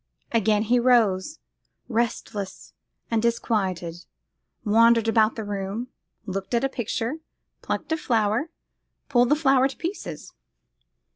Again he rose, restless and disquieted, wandered about the room, looked at a picture, plucked a flower, pulled the flower to pieces.